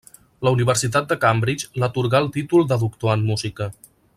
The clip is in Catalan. La Universitat de Cambridge l'atorgà el títol de doctor en música.